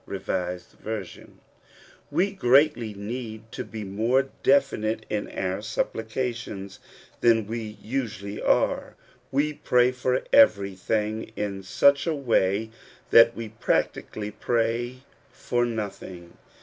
{Revised Version^ We greatly need to be more definite in our suppli cations than we usually are : we pray for everything in such a way that we practically pray for nothing.